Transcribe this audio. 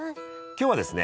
今日はですね